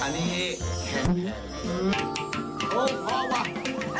อันนี้